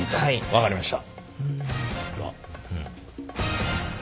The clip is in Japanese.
分かりました。